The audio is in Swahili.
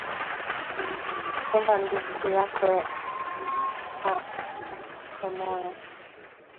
Penda nduku yako sa wemoya